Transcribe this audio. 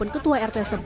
ketua rt s empat